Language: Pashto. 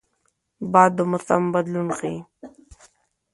باد د موسم بدلون ښيي